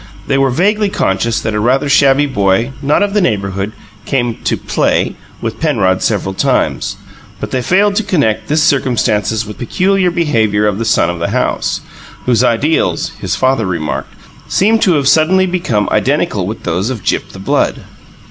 They were vaguely conscious that a rather shabby boy, not of the neighbourhood, came to "play" with Penrod several times; but they failed to connect this circumstance with the peculiar behaviour of the son of the house, whose ideals (his father remarked) seemed to have suddenly become identical with those of Gyp the Blood.